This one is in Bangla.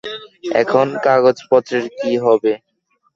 এখন, কাগজপত্রের কি হবে?